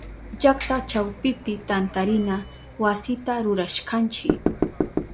Llakta chawpipi tantarina wasita rurashkanchi.